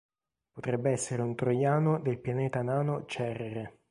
Potrebbe essere un troiano del pianeta nano Cerere.